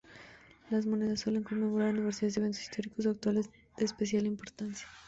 Las monedas suelen conmemorar aniversarios de eventos históricos o actuales de especial importancia.